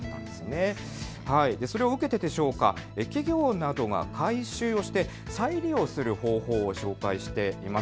そしてそれを受けてでしょうか、企業などが回収をして再利用する方法を紹介しています。